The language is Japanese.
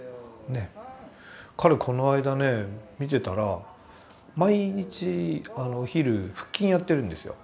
彼この間ね見てたら毎日お昼腹筋やってるんですよ。